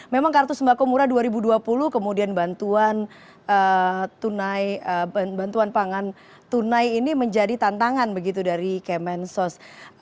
memang kartu sembako murah dua ribu dua puluh kemudian bantuan pangan tunai ini menjadi tantangan begitu dari kemensos